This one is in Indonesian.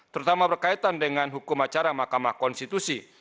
terutama berkaitan dengan hukum acara mahkamah konstitusi